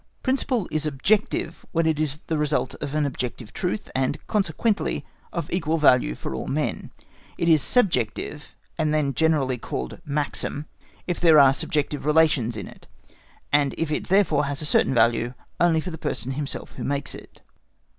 Principle is objective when it is the result of objective truth, and consequently of equal value for all men; it is subjective, and then generally called maxim if there are subjective relations in it, and if it therefore has a certain value only for the person himself who makes it.